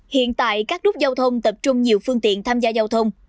hiện tại các nút giao thông tập trung nhiều phương tiện tham gia giao thông